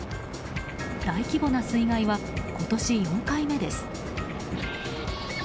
大規模な水害は今年、４回目です。